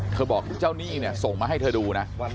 บอกเจ้าหนี้เนี่ยส่งมาให้เธอดูนะ